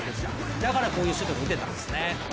だからこういうシュートが打てたんですね。